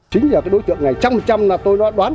chính là cái đối tượng này trăm trăm là tôi đoán